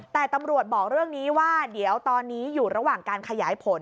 แต่ตำรวจบอกเรื่องนี้ว่าเดี๋ยวตอนนี้อยู่ระหว่างการขยายผล